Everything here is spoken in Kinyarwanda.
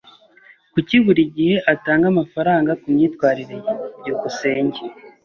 Kuki buri gihe atanga amafaranga kumyitwarire ye? byukusenge